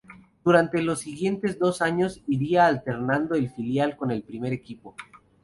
Durante los siguientes dos años iría alternando el filial con el primer equipo.